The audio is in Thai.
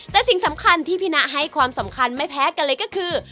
แต่สิ่งสำคัญที่พี่นะให้ความสำคัญไม่แพ้กันเลยก็คือ